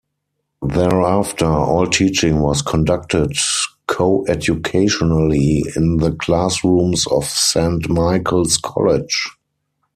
Thereafter, all teaching was conducted coeducationally in the classrooms of Saint Michael's College.